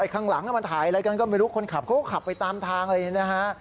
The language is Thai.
คนขับเขาก็ขับไปตามทางเลยนะฮะ